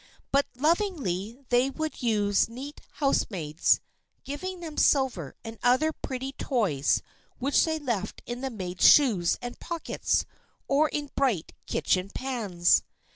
But lovingly they would use neat housemaids, giving them silver and other pretty toys which they left in the maids' shoes and pockets, or in bright kitchen pans.